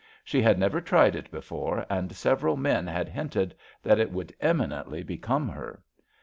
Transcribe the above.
She had never tried it before and several men had hinted that it would eminently become her.